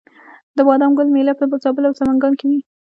د بادام ګل میله په زابل او سمنګان کې وي.